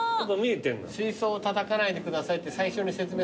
水槽をたたかないでくださいって最初に説明。